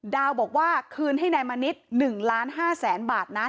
ดาวบอกว่าคืนให้นายมณิษฐ์๑ล้าน๕แสนบาทนะ